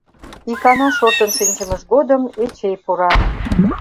Икана шортын шинчымыж годым Эчей пура.